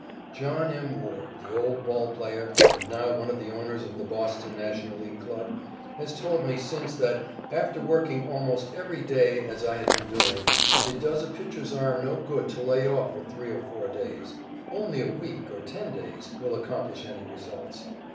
John M. Ward, the old ball player and now one of the owners of the Boston National League club, has told me since that, after working almost every day as I had been doing, it does a pitcher's arm no good to lay off for three or four days. Only a week or ten days will accomplish any results.